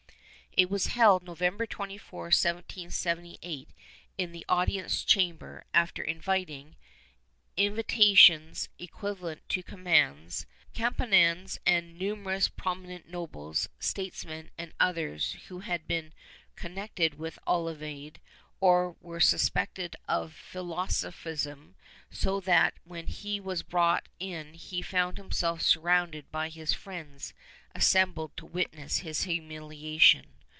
It was held, November 24, 1778, in the audience chamber, after inviting — invitations equivalent to commands — Campomanes and numer ous prominent nobles, statesmen and others who had been con nected with Olavide, or were suspected of philosophism, so that when he was brought in he found himself surrounded by his friends assembled to witness his humiliation.